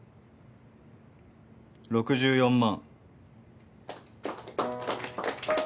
６４万。